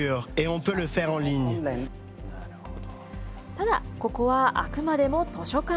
ただ、ここはあくまでも図書館。